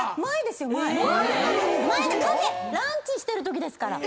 ランチしてるときですから。